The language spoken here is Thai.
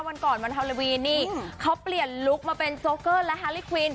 วันก่อนวันฮาโลวีนนี่เขาเปลี่ยนลุคมาเป็นโจ๊เกอร์และฮาลิควิน